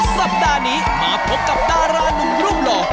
สัปดาห์นี้มาพบกับดารานุ่มรูปหล่อ